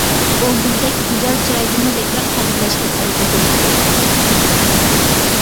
ئۇ، گۈلدەك گۈزەل چىرايدىنمۇ بەكرەك قەدىرلەشكە ئەرزىيدۇ.